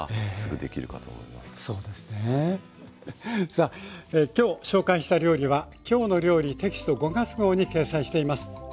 さあ今日紹介した料理は「きょうの料理」テキスト５月号に掲載しています。